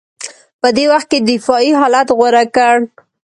په دې وخت کې دفاعي حالت غوره کړ